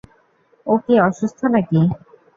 ও কি অসুস্থ নাকি?